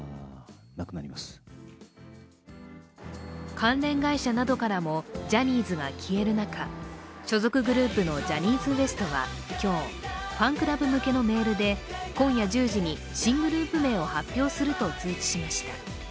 関連会社などからもジャニーズが消える中、所属グループのジャニーズＷＥＳＴは今日、ファンクラブ向けのメールで今夜１０時に新グループ名を発表すると通知しました。